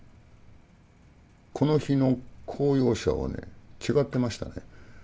この日の公用車はね違ってましたね。